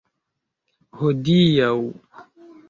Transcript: hodiaŭ